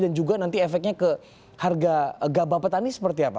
dan juga nanti efeknya ke harga gabah petani seperti apa